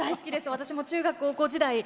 私も中学、高校時代